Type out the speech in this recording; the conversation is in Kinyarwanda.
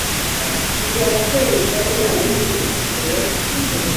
Bigomba kwemezwa n inama y ubutegetsi mbere